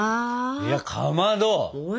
いやかまど！